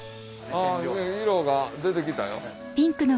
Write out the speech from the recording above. あ色が出てきたよ。